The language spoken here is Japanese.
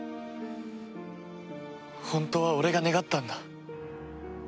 本当は俺が願ったんだ。